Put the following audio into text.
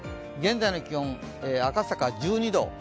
現在の気温、赤坂１２度。